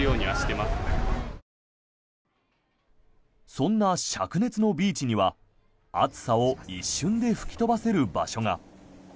そんなしゃく熱のビーチには暑さを一瞬で吹き飛ばせる場所が。